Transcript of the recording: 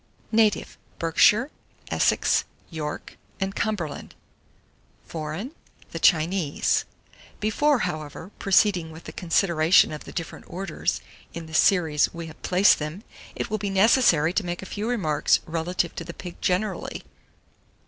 Native Berkshire, Essex, York, and Cumberland; Foreign the Chinese. Before, however, proceeding with the consideration of the different orders, in the series we have placed them, it will be necessary to make a few remarks relative to the pig generally.